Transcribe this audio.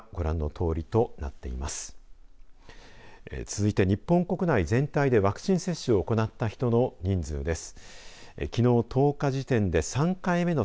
続いて日本国内全体でワクチン接種を行った人の人数です。